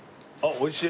おいしい！